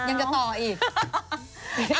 ยังจะต่ออีก